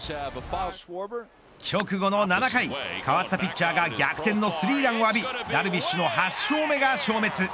直後の７回代わったピッチャーが逆転のスリーランを浴びダルビッシュの８勝目が消滅。